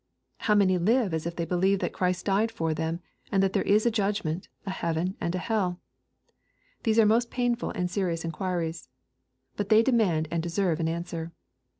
How many live as if they believed that Christ died for them, and that there is a judgment, a heaven, and a hell ?— These are most painful and serious iu quiries. But they demand and deserve an answer.